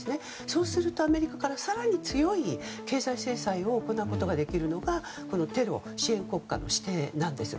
そうするとアメリカから更に強い経済制裁を行うことができるのがテロ支援国家の指定なんです。